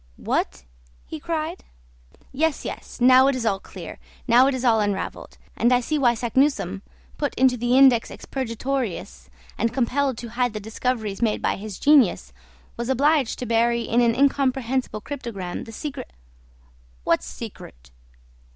"What!" he cried. "Yes, yes; now it is all clear, now it is all unravelled; and I see why Saknussemm, put into the Index Expurgatorius, and compelled to hide the discoveries made by his genius, was obliged to bury in an incomprehensible cryptogram the secret " "What secret?"